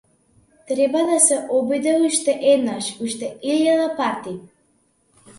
Треба да се обиде уште еднаш, уште илјада пати.